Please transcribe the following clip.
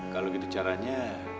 kalau gitu caranya